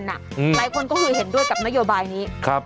หลายคนก็เห็นด้วยกับนโยบายนี้ครับ